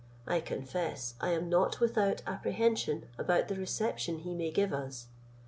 I confess I am not without apprehension about the reception he may give us.